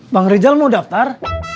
bang rizal mau daftar